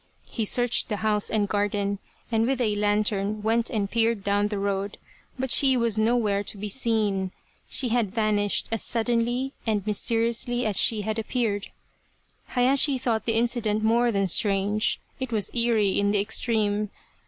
He searched the house and garden, and with a lantern went and peered down the road, but she was nowhere to be seen. She had vanished as suddenly and mysteriously as she had appeared. Hayashi thought the incident more than strange ; it was eerie in the extreme.